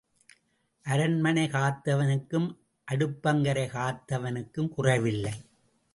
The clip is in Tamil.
அரண்மனை காத்தவனுக்கும் அடுப்பங்கரை காத்தவனுக்கும் குறைவு இல்லை.